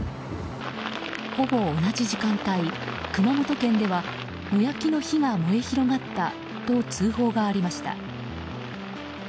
ほぼ同じ時間帯、熊本県では野焼きの火が燃え広がったと通報がありました。